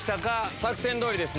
作戦どおりですね。